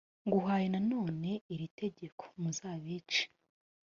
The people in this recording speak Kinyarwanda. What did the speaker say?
nguhaye nanone iri tegeko : muzabice.